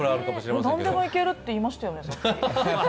なんでもいけるって言いましたよね？